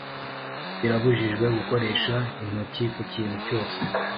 Birabujijwe gukoresha intoki ku kintu cyose